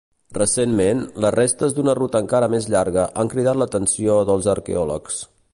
Recentment, les restes d'una ruta encara més llarga han cridat l'atenció dels arqueòlegs.